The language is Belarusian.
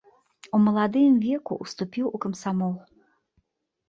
У маладым веку ўступіў у камсамол.